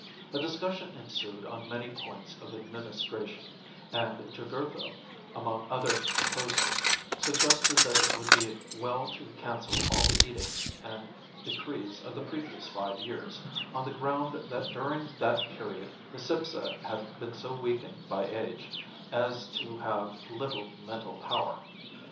A discussion ensued on many points of administration, and Jugurtha, among other proposals, suggested that it would be well to cancel all the edicts and decrees of the previous five years, on the ground that during that period Micipsa had been so weakened by age as to have little mental power.